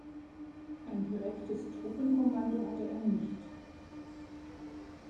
Ein direktes Truppenkommando hatte er nicht.